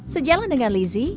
sejalan dengan lizzie